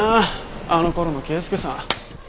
あの頃の圭介さん。